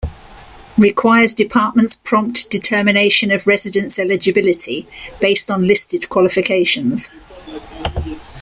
Requires Department's prompt determination of residents' eligibility, based on listed qualifications.